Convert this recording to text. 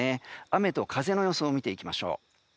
雨と風の予想を見ていきましょう。